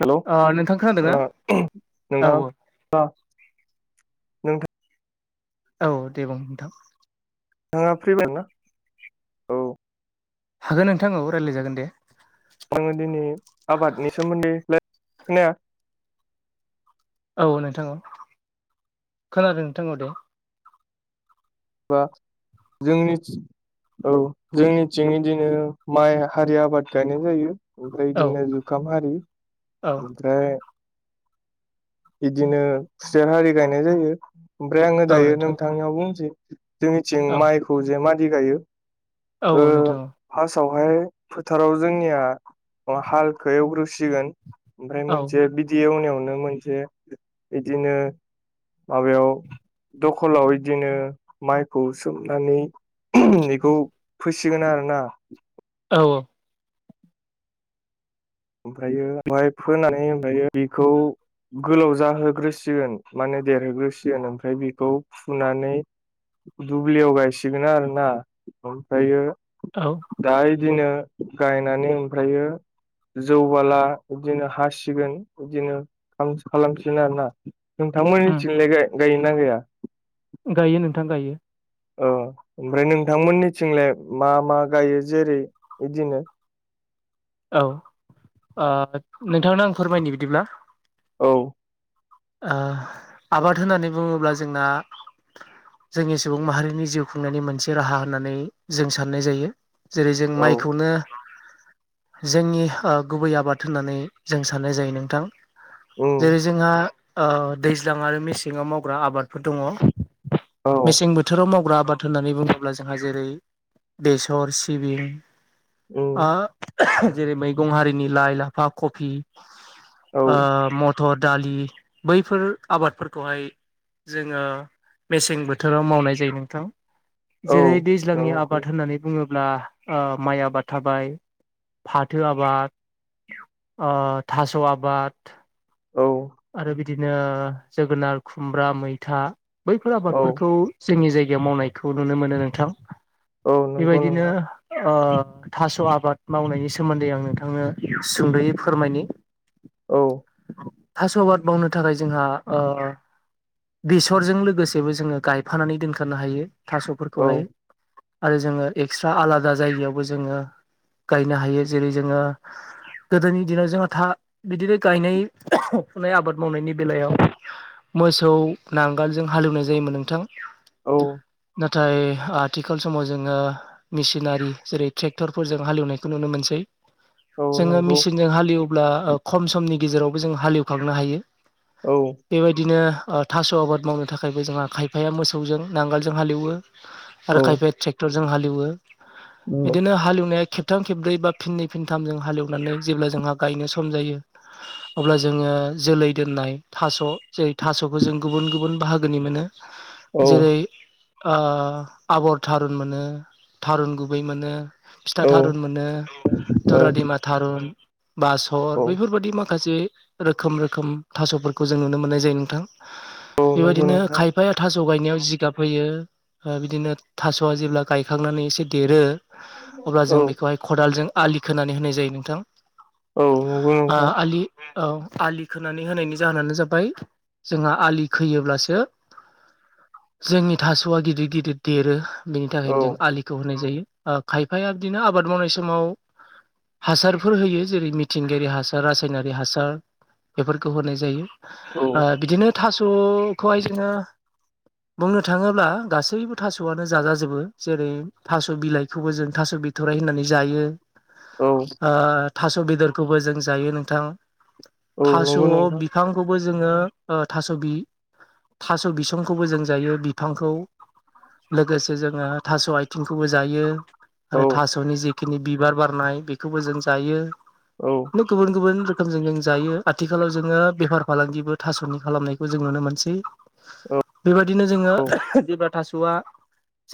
Hello अ नोंथां खोनादों ना औ औ नोंथां। औ दे बुं नोंथां नोंहा फ्रि दंना औ हागोन नोंथां औ रायज्लाय जागोन दे आङो दिनै आबादनि सोमोन्दै खोनाया औ नोंथां औ खोनादों नोंथां औ दे बा जोंनि औ जोंनिथिं बिदिनो माइ हारि आबाद गायनाय जायो ओमफ्राय औ बिदिनो जुखाम हारि औ ओमफ्राय बिदिनो खुसेर हारि गायनाय जायो ओमफ्राय आङो औ दायो नोंथां नोंथांनियाव बुंनोसै जोंनिथिं औ माइखौ जे मादि गायो औ औ नोंथां हाय फोथाराव जोंनिया हालखौ एवग्रोसिगोन ओमफ्राय औ मोनसे बिदि एवनायावनो मोनसे बिदिनो माबायाव दखलाव बिदिनो माइखौ सोमनानै बेखौ फोसिगोन आरो ना औ औ ओमफ्रायो ओमफ्राय फोनानै ओमफ्रायो बिखौ गोलाव जाहोग्रोसिगोन माने देरहोग्रोसिगोन ओमफ्राय बेखौ फुनानै दुब्लियाव गायसिगोन आरो ना ओमफ्रायो औ दा इदिनो गायनानै ओमफ्रायो जौ बाला बिदिनो हासिगोन बिदिनो खालामफिसिगोन आरो ना नोंथांमोननि उम थिंलाय गायो ना गाया गायो नोंथां गायो औ ओमफ्राय नोंथांमोननिथिंलाय मा मा गायो जेरै बिदिनो औ नोंथांनो आं फोरमायनो बिदिब्ला औ आबाद होननानै बुङोब्ला जोंना जोंनि सुबुं माहारिनि जिउ खुंनायनि मोनसे राहा होननानै जों साननाय जायो जेरै जों औ माइखौनो जोंनि गुबै आबाद होननानै जों साननाय जायो नोंथां उम जेरै जोंहा दैज्लां आरो मेसेङाव मावग्रा आबादफोर दङ औ मेसें बोथोराव मावग्रा आबाद होननानै बुङोब्ला जोंहा जेरै बेसर सिबिं औ ओ जेरै मैगं हारिनि लाइ लाफा कफि औ मथर दालि बैफोर आबादफोरखौहाय जोङो मेसें बोथोराव मावनाय जायो नोंथां औ जेरै दैज्लांनि नंगौ आबाद होननानै बुङोब्ला माइ आबाद थाबाय फाथो आबाद आ थास' आबाद औ आरो बिदिनो जोगोनार खुमब्रा मैथा बैफोर औ आबादफोरखौ जोंनि जायगायाव मावनायखौ नुनो मोनो नोंथां औ नंगौ बेबायदिनो नोंथां थास' आ आबाद मावनायनि सोमोन्दै आं नोंथांनो सुंद'यै फोरमायनि औ थास' आबाद मावनो थाखाय जोंहा बेसरजों लोगोसेबो जोङो गायफानानै दोनफानो हायो औ थास'फोरखौहाय आरो जोङो एक्सट्रा आलादा जायगायावबो जोङो गायनो हायो जेरै जोङो गोदोनि दिनाव जोंहा था बिदिनो गायनाय फुनाय आबाद मावनायनि बेलायाव मोसौ नांगालजों हालेवनाय जायोमोन नोंथां औ नाथाय आथिखाल समाव जोङो मेसिनारि जेरै ट्रेक्टरफोरजों हालेवनायखौ नुनो मोनसै। औ जोङो नंगौ मेचिनजों हालेवब्ला खम समनि गेजेरावबो जों हालेवखांनो हायो। औ बेबायदिनो ओ थास' आबाद मावनो थाखायबो जोंहा खायफाया मोसौजों नांगोलजों हालेवो। औ आरो खायफाया ट्रेक्टरजों हालेवो बिदिनो हालेवनाया खेब थाम खेबब्रै बा फिनै फिनथाम जों हालेवनानै जेब्ला जोंहा गायनो सम जायो अब्ला जोङो जोलै दोननाय थास' जेरै थास'खौ जों गुबुन गुबुन बाहागोनि मोनो। औ जेरै ओ आबर थारुन मोनो थारुन गुबै मोनो। फिथा औ थारुन मोनो दुरादेमा थारुन बासर औ बेफोरबायदि माखा से रोखोम रोखोम थास'फोरखौ जों नुनो मोननाय जायो नोंथां। औ नंगौ बेबायदिनो नोंथां खायफाया थास' गायनायाव जिगाब होयो बिदिनो थास'आ जेब्ला गायखांनानै एसे देरो अब्ला जों औ बेखौहाय खदालजों आलि खोनानै होनाय जायो नोंथां। औ नंगौ ओ नोंथां आलि औ आलि खोनानै होनायनि जाहोनानो जाबाय जोंहा आलि खोयोब्लासो जोंनि थास'आ गिदिर गिदिर देरो बेनि औ थाखायनो जों आलिखौ होनाय जायो। ओ खायफाया बिदिनो आबाद मावनाय समाव हासारफोर होयो जेरै मिथिंगायारि हासार रासायनारि हासार बेफोरखौ होनाय जायो। ओ औ बिदिनो थास'खौहाय जोङो बुंनो थाङोब्ला गासैबो थास'आनो जाजाजोबो जेरै थास' बिलाइखौबो जों थास' बिथ'राय होननानै जायो औ ओ थास' बेदरखौबो जों जायो नोंथां। औ थास' नंगौ नोंथां बिफांखौबो जोङो ओ थास' बिसंखौबो जों जायो बिफांखौ। लोगोसे जोङो थास' आथिंखौबो जायो आरो औ थास'नि जि खिनि बिबार बारनाय बेखौबो जों जायो औ गुबुन गुबुन रोखोम जों जों जायो आथिखालाव जोङो बेफार फालांगिबो थास'नि खालामनायखौ जों नुनो मोनसै। बेबायदिनो जोङो जेब्ला थास'आ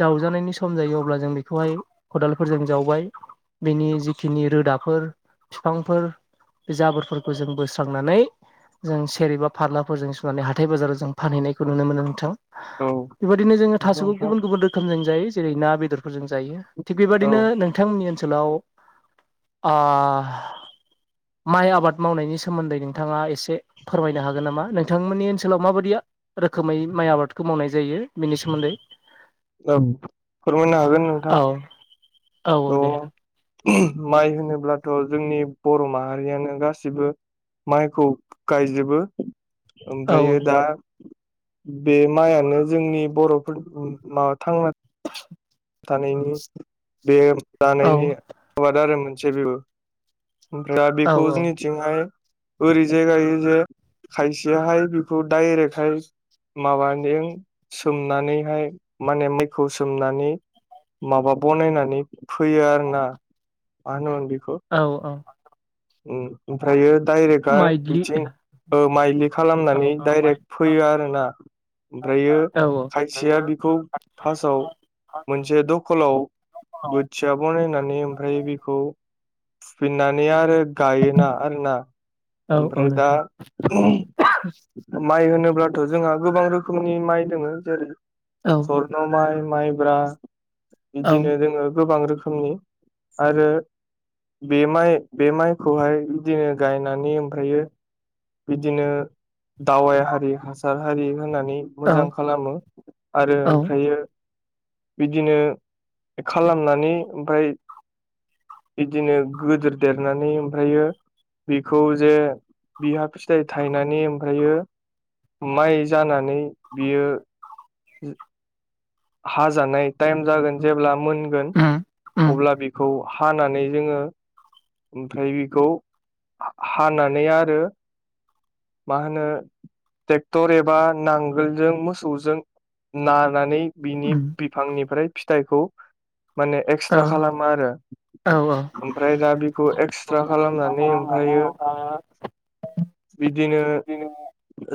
जावजानायनि सम जायो अब्ला जों बेखौहाय खदालफोरजों जावबाय। बिनि जिखिनि रोदाफोर बिफांफोर बे जाबोरफोरखौ जों बोस्रांनानै जों सेर बा फारलाफोरजों सुनानै हाथाय बाजाराव जों फानहैनायखौ नुनो मोनो नोंथां। औ बेबायदिनो जोङो नंगौ थास'खौ नोंथां गुबुन गुबुन रोखोमजों जायो जेरै ना बेदरफोरजों जायो थिग औ बेबायदिनो नोंथांमोननि ओनसोलाव ओ माइ आबाद मावनायनि सोमोन्दै नोंथाङा एसे फोरमायनो हागोन नामा नोंथांमोननि ओनसोलाव माबायदिया रोखोमै माइ आबादखौ मावनाय जायो बिनि सोमोन्दै। फोरमायनो हागोन नोंथां औ औ औ दे थ' माइ होनोब्लाथ' जोंनि बर' माहारियानो गासिबो माइखौ गायजोबो। औ ओमफ्र दा बे माइआानो जोंनि बर'फोर माबा थांना थानायनि बे औ दानायनि आबाद आरो मोनसे बेबो ओमफ्राय औ बेखौ औ जोंनिथिंहाय ओरै जाय गायो जे खायसेहाय बेखौ डाइरेक्टहाय माबाजों सोमनानैहाय माने मायखौ सोमनानै माबा बनायनानै फैयो आरो ना मा होनोमोन बे औ औ ओमफ्रायो डाइरेक्टआ माइदलि बिथिं औ माइलि खालामनानै डाइरेक्ट फैयो आरोना ओमफ्रायो औ खायसेया बिखौ फार्स्टआव मोनसे दखलाव बोथिया बनायनानै ओमफ्राय बेखौ फुफिननानै आरो गायोना आरोोना औ औ ओमफ्राय दा नोंथां माइ होनो अब्लाथ' जोंहा गोबां रोखोमनि माइ दङ जेरै औ सरन' माइ माइब्रा औ बिदिनो जोङो गोबां रोख नि आरो बे माइ खौहाय बिदिनो गायनानै ओमफ्रायो बिदिनो दावाइ हारि हासार हारि होनानै औ मोजां खालामो आरो औ ओमफ्रयो बिदिनो खालामनानै ओमफ्राय बिदिनो गोदोर देरनानै ओमफ्रायो बिखौ जे बिहा फिथाइ थायनानै ओमफ्रायो माइ जानानै बियो हाजानाय टाइम जागोन जेब्ला मोनगोन उम उम अब्ला बेखौ हानानै जोङो ओमफ्राय बेखौ हानानै आरो माहोनौ ट्रेक्टर एबा नांगोलजों मोसौजों नानानै बिनि उम बिफांनिफ्राय फिथाइखौ माने औ एक्सट्रा खालामा आरो। औ औ ओमफ्राय दा बे एक्सट्रा खालामनानै ओमफ्रायो बिदिनो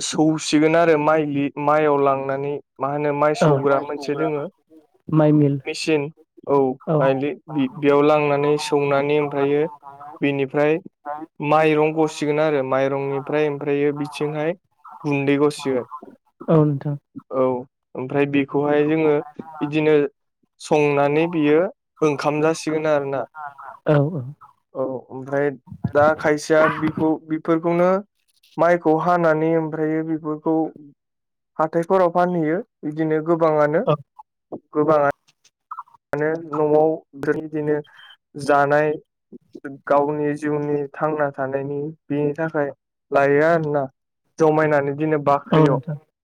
सौ फुसिगोन आरो माइ माइआव लांनानै मा होनो माइ औ सौग्रा मोनसे दोङो माइ मिल मेचन औ बायलि बि बेयाव लांनानै सौनानै ओमफ्रायो बेनिफ्राय माइरं गसिगोन आरो माइरंनिफ्राय ओमफ्रायो बिथिंहाय बुन्दै गसिगोन उथा औ ओमफ्राय बेखौहाय जोङो बिदिनो संनानै बियो ओंखाम जासि औ औ। औ ओमफ्राय दा खायसेयाखौ बेफोरखौनो माइखौ हानानै ओमफ्र बेफोरखौ हाथायफोराव फानहैयो बिदिनो गोबाङानो औ गोबाङानो न'आव बिबायदिनो जानाय गावनि जिउनि थांना थानायनि बेनि थाखाय लायो आरोना जमायनानै दिनो औ बाख्रियाव नोंथां